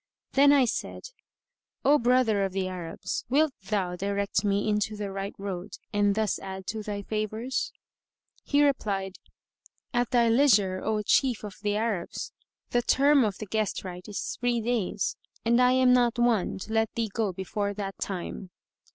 Then I said, "O brother of the Arabs, wilt thou direct me into the right road and thus add to thy favours?" He replied, "At thy leisure, O chief of the Arabs, the term of the guest rite is three days,[FN#134] and I am not one to let thee go before that time."